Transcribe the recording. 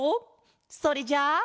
それじゃあ。